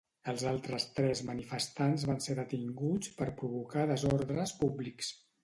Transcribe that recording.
Els altres tres manifestants van ser detinguts per provocar desordres públics.